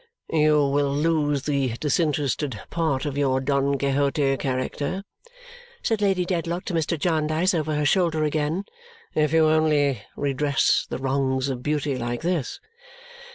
"You will lose the disinterested part of your Don Quixote character," said Lady Dedlock to Mr. Jarndyce over her shoulder again, "if you only redress the wrongs of beauty like this.